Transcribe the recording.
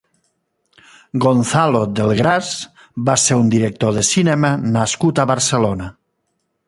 Gonzalo Delgrás va ser un director de cinema nascut a Barcelona.